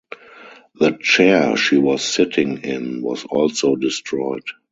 The chair she was sitting in was also destroyed.